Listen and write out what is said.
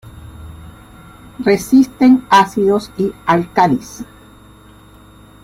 Resisten ácidos y álcalis.